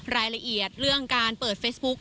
รายละเอียดเรื่องการเปิดเฟซบุ๊ก